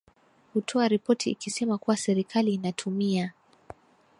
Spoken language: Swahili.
kutoa ripoti ikisema kuwa serikali inatumia